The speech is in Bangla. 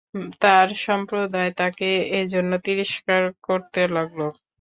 তার সম্প্রদায় তাকে এ জন্য তিরস্কার করতে লাগল।